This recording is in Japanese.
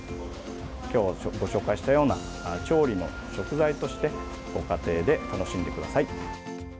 今日ご紹介したような調理の食材としてご家庭で楽しんでください。